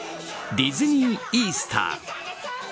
ディズニー・イースター。